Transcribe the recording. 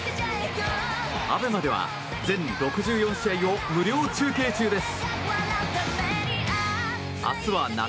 ＡＢＥＭＡでは全６４試合を無料中継中です。